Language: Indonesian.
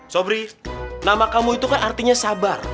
sobri nama kamu itu kan artinya sabar